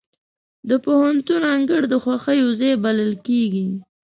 د پوهنتون انګړ د خوښیو ځای بلل کېږي.